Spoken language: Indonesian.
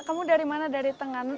kamu dari mana dari tengah